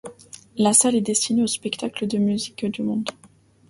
La salle est destinée aux spectacles de musique du monde.